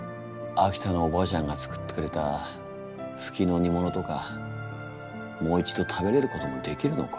秋田のおばあちゃんが作ってくれたフキのにものとかもう一度食べれることもできるのか？